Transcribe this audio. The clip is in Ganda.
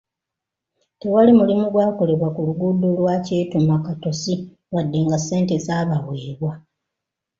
Tewali mulimu gwakolebwa ku luguudo lwa Kyetuma-Katosi wadde nga ssente zaabaweebwa.